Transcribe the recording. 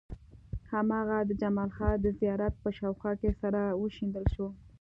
هماغه د جمال خان د زيارت په شاوخوا کې سره وشيندل شو.